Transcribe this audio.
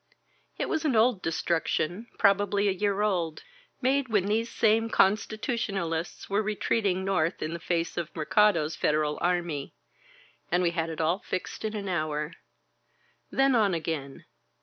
It was an old destruction, probably a year old, made when these same Constitutionalists were retreat ing north in the face of Mercado's Federal army, and we had it all fixed in an hour. Then on again.